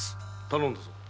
頼んだぞ。